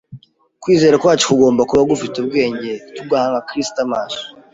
Kwizera kwacu kugomba kuba gufite ubwenge tugahanga Kristo amaso